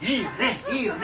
いいよね？